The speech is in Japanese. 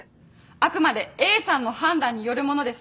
あくまでＡさんの判断によるものです。